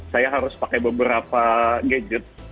saya harus pakai beberapa gadget